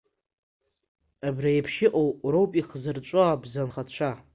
Абри иеиԥш иҟоу роуп ихзырҵәо абзанхацәа.